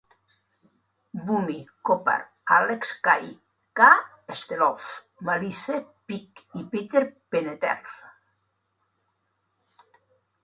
Bumy, Kopar, Alex Kay, K. Stelov, Malice PIK "i" Peter Peneter ".